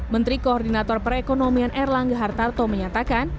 menteri koordinator perekonomian erlangga hartarto menyatakan